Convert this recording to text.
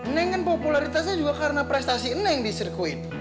neng kan popularitasnya juga karena prestasi neng di sirkuit